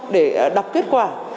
để đọc kết quả